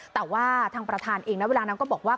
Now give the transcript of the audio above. แต่ว่าทางประธานเองนะเวลานั้นก็บอกว่า